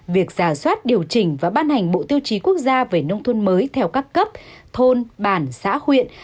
việc giả soát điều chỉnh và ban hành bộ tiêu chí quốc gia về nông thôn mới theo các cấp thôn bản xã huyện